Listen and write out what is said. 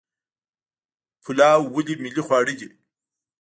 پلاو ولې ملي خواړه دي؟